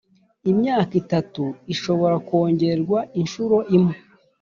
Imyaka itatu ishobora kongerwa inshuro imwe.